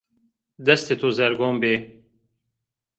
Destê to zergûn bê